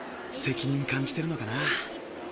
責任感じてるのかな？